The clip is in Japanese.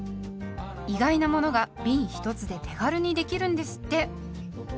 意外なものがびん１つで手軽にできるんですって。